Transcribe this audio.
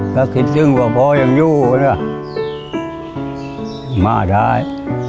ถ้าคิดถึงว่าพ่อยังอยู่มาท้าย